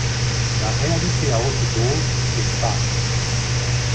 La réalité à haute dose effare.